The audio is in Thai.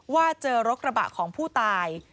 ว่าเจอรถกระบะของผู้ตาย